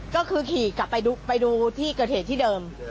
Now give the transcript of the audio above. ก็คือขี่กลับไปดูที่เกิดเหตุที่เดิม